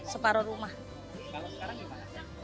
sekarang gimana sih